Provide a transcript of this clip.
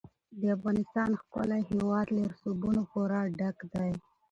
د افغانستان ښکلی هېواد له رسوبونو پوره ډک دی.